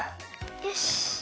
よし。